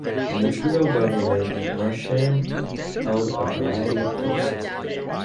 In the Trudeau government, Marchand held a variety of posts.